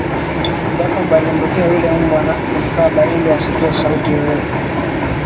Jacob alimrukia yule mbwa na kumkaba ili asitoe sauti yoyote